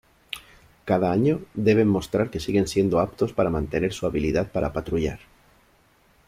Cada año, deben mostrar que siguen siendo aptos para mantener su habilidad para patrullar.